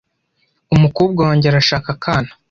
Umukobwa wanjye arashaka akana .